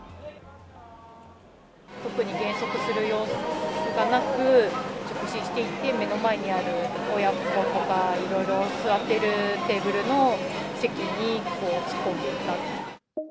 特に減速する様子がなく、直進していって、目の前にいる親子さんとかいろいろ座っているテーブルの席に突っ込んでいった。